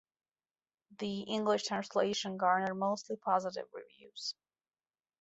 The English translation garnered mostly positive reviews.